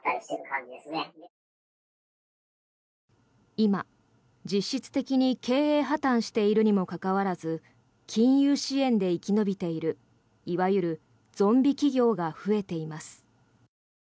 今、実質的に経営破たんしているにもかかわらず金融支援で生き延びているいわゆるゾンビ企業が増えています。